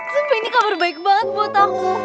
sufi ini kabar baik banget buat aku